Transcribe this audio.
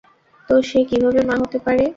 তো, সে কীভাবে মা হতে পারে?